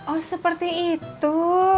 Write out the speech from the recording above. oh seperti itu